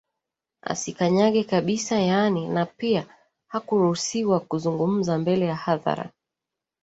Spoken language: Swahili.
Asikanyage kabisa yaani na pia hakuruhusiwa kuzungumza mbele ya hadhara